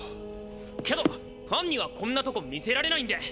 けどファンにはこんなとこ見せられないんで。